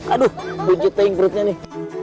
aduh buncit tehing perutnya nih